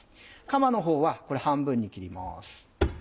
カマのほうはこれ半分に切ります。